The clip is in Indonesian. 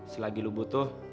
selagi lo butuh